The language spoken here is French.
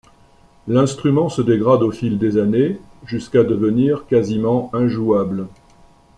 L'instrument se dégrade au fil des années, jusqu'à devenir quasiment injouable.